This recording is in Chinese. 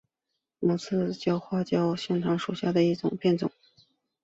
毛刺花椒为芸香科花椒属下的一个变种。